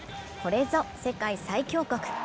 これぞ世界最強国。